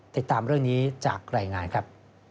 ติดตามเรื่องนี้จากรายงานครับ